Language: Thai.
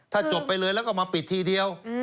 ถ้าจบไปเลยแล้วก็มาปิดทีเดียว